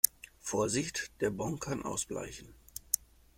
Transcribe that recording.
Vorsicht, der Bon kann ausbleichen!